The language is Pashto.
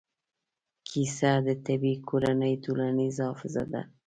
کیسه د طبعي کورنۍ ټولنیزه حافظه ده.